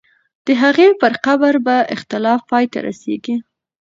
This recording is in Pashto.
د هغې پر قبر به اختلاف پای ته رسېږي.